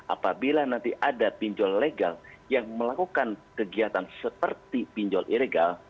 apabila nanti ada pinjol legal yang melakukan kegiatan seperti pinjol ilegal